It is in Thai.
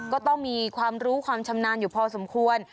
ก็ต้องมีความรู้ความชำนาญอยู่พอสมควร